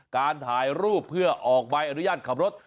การถ่ายรูปเพื่อออกใบอนุญาตขับรถ